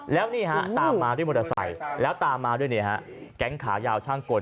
แล้วนี่ฮะตามมาด้วยมอเตอร์ไซค์แล้วตามมาด้วยแก๊งขายาวช่างกล